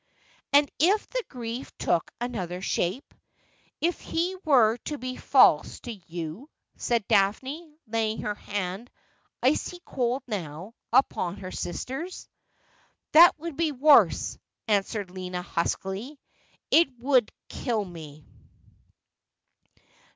' And if the grief took another shape — if he were to be false to you ?' said Daphne, laying her hand, icy cold now, upon her sister's. ' That would be worse,' answered Lina huskily ;' it would kill me.'